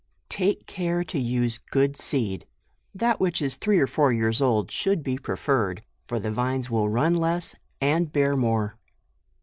Take care to use good seed; that which is three or four years old, should be preferred, for the vines will run less, and bear more.